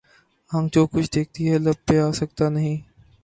آنکھ جو کچھ دیکھتی ہے لب پہ آ سکتا نہیں